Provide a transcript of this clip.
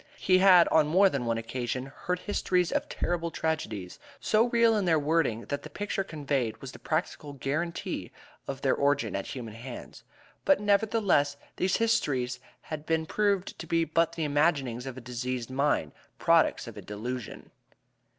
He had on more than one occasion heard histories of terrible tragedies, so real in their wording that the picture conveyed was the practical guarantee of their origin at human hands; but, nevertheless, these histories had been proved to be but the imaginings of a diseased mind products of a delusion.